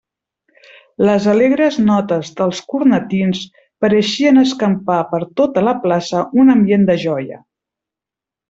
Les alegres notes dels cornetins pareixien escampar per tota la plaça un ambient de joia.